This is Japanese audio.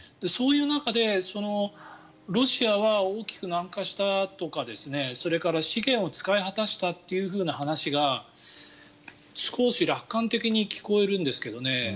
そういう中でロシアは大きく軟化したとかそれから資源を使い果たしたという話が少し楽観的に聞こえるんですけどね。